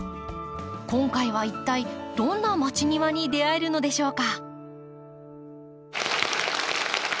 今回は一体どんなまちニワに出会えるのでしょうか？